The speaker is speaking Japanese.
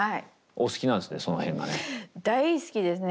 お好きなんですね